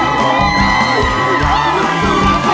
ร้องได้